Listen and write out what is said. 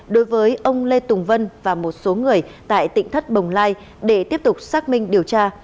đối với ông lê tùng vân và một số người tại tỉnh thất bồng lai để tiếp tục xác minh điều tra